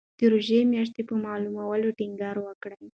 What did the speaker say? ده د روژې میاشتې په مهموالي ټینګار وکړ.